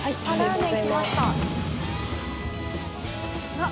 あっ！